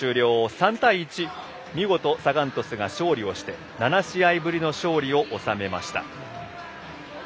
３対１見事、サガン鳥栖が勝利をして７試合ぶりの勝利を収めました。